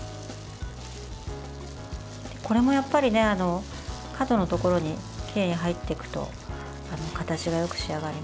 これも角のところにきれいに入っていくと形がよく仕上がります。